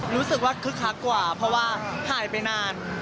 รู้สึกว่าคึกคักกว่าเพราะว่าหายไปนาน